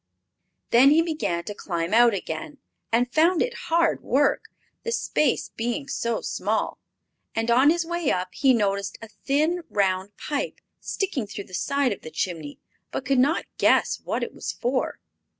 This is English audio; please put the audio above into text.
Then he began to climb out again, and found it hard work the space being so small. And on his way up he noticed a thin, round pipe sticking through the side of the chimney, but could not guess what it was for.